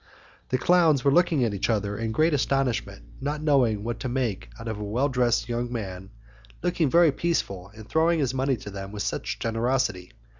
The clowns were looking at each other in great astonishment, not knowing what to make out of a well dressed young man, looking very peaceful, and throwing his money to them with such generosity.